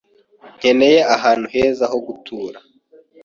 nkeneye ahantu heza ho gutura.